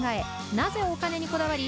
なぜお金にこだわり